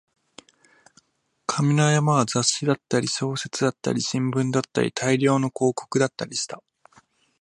紙の山は雑誌だったり、小説だったり、新聞だったり、大量の広告だったりした